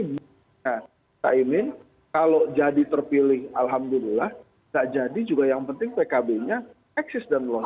nah caimin kalau jadi terpilih alhamdulillah bisa jadi juga yang penting pkb nya eksis dan longs